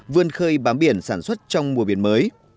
vươn khơi bám biển sản xuất trong mùa biển mới